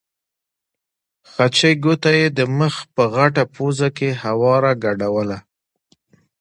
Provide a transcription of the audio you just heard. خچۍ ګوته یې د مخ په غټه پوزه کې هواره ګډوله.